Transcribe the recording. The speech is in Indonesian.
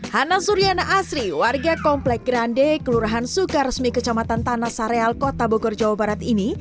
hana suryana asri warga komplek grande kelurahan sukaresmi kecamatan tanah sareal kota bogor jawa barat ini